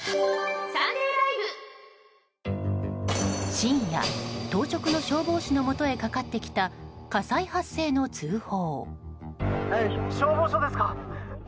深夜、当直の消防士のもとへかかってきた火災発生の通報。